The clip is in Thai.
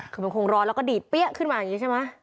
คือมันคงร้อนแล้วก็ดีดเปี้ยขึ้นมาอย่างนี้ใช่ไหม